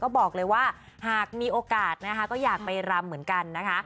บอกเลยว่าหากมีโอกาสนะคะก็อยากไปรำเหมือนกันนะคะ